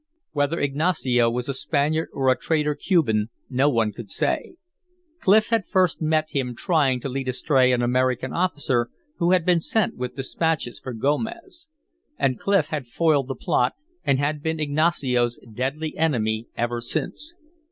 Whether Ignacio was a Spaniard or a traitor Cuban, no one could say. Clif had first met him trying to lead astray an American officer who had been sent with dispatches for Gomez. And Clif had foiled the plot, and had been Ignacio's deadly enemy ever since.